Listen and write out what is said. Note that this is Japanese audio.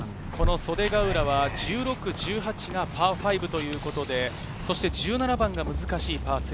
袖ヶ浦は１６、１８がパー５ということで、１７番が難しいパー３。